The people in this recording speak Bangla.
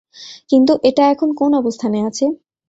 কিন্তু, এটা এখন কোন অবস্থানে আছে?